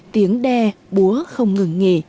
tiếng đe búa không ngừng nghỉ